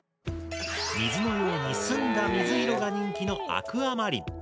水のように澄んだ水色が人気のアクアマリン。